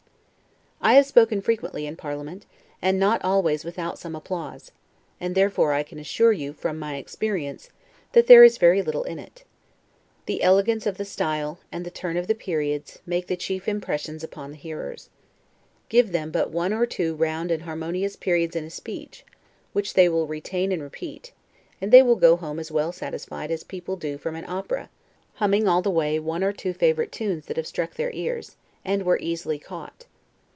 I have spoken frequently in parliament, and not always without some applause; and therefore I can assure you, from my experience, that there is very little in it. The elegance of the style, and the turn of the periods, make the chief impression upon the hearers. Give them but one or two round and harmonious periods in a speech, which they will retain and repeat; and they will go home as well satisfied as people do from an opera, humming all the way one or two favorite tunes that have struck their ears, and were easily caught.